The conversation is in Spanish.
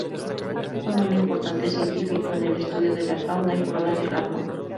Fue un importante científico en el estudio de la fauna y flora de Japón.